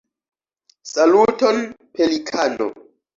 Saluton Pelikano!